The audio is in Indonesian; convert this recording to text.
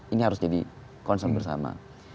ini harus jadi concern bersama